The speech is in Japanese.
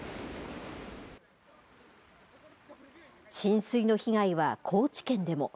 浸水の被害は高知県でも。